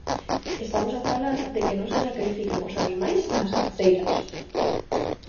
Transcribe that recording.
Estamos a falar de que non se sacrifiquen os animais nas canceiras.